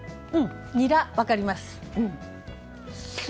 ニラ、分かります。